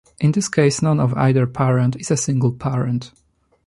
In this case none of either parent is a single parent.